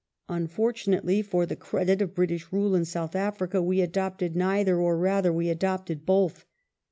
Unfortunately for the credit of British rule in South Africa we adopted neither, or, rather, we adopted both.